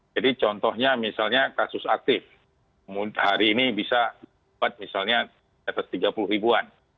jadi contohnya misalnya kasus aktif hari ini bisa dapat misalnya tiga puluh ribuan